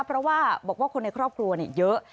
เพราะว่าบอกว่าคนในครอบครัวเยอะ